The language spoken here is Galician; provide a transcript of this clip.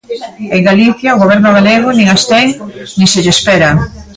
En Galicia, o Goberno galego nin as ten nin se lle espera.